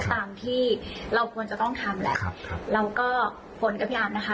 ตามที่เราควรจะต้องทำแหละครับแล้วก็ผลกับพี่อาร์มนะคะ